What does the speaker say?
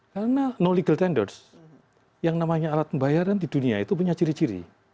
karena know legal tenders yang namanya alat pembayaran di dunia itu punya ciri ciri